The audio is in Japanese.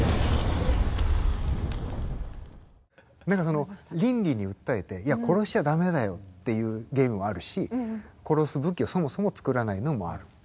何かその倫理に訴えていや殺しちゃ駄目だよっていうゲームもあるし殺す武器をそもそもつくらないのもある。